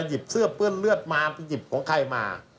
หยิบเสื้อเปื้อนเลือดมาหยิบของใครมา